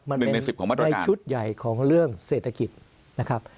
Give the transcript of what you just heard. หนึ่งในสิบของมาตรในชุดใหญ่ของเรื่องเศรษฐกิจนะครับ